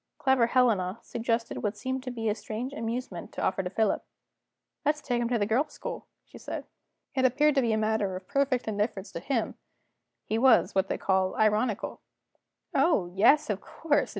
Clever Helena suggested what seemed to be a strange amusement to offer to Philip. "Let's take him to the Girls' School," she said. It appeared to be a matter of perfect indifference to him; he was, what they call, ironical. "Oh, yes, of course.